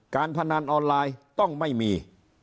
พนันออนไลน์ต้องไม่มี